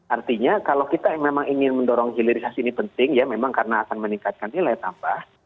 artinya kalau kita memang ingin mendorong hilirisasi ini penting ya memang karena akan meningkatkan nilai tambah